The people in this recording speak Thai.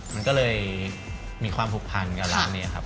มันก็เลยมีความผูกพันกับร้านนี้ครับ